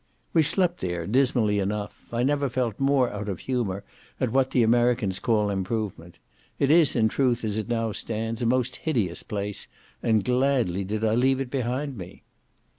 We slept there, dismally enough. I never felt more out of humour at what the Americans call improvement; it is, in truth, as it now stands, a most hideous place, and gladly did I leave it behind me.